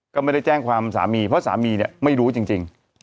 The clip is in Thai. ก็ไม่ได้แจ้งความสามีเพราะสามีเนี่ยไม่รู้จริง